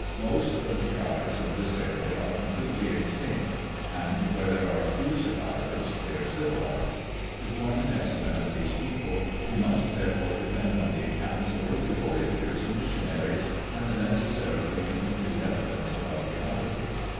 Most of the tribes of this area are completely extinct; and where there are a few survivors they are civilized. To form an estimate of these people we must therefore depend on the accounts of early voyagers and missionaries and the necessarily incomplete evi dence of archaeology.